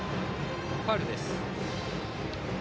ファウルです。